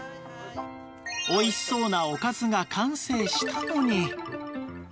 美味しそうなおかずが完成したのに